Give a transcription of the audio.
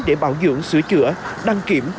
để bảo dưỡng sửa chữa đăng kiểm